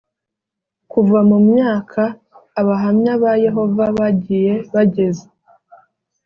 Kuva mu myaka abahamya ba yehova bagiye bageza